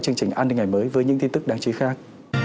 chương trình an ninh ngày mới với những tin tức đáng chí khác